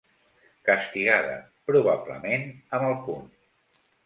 Castigada, probablement amb el puny.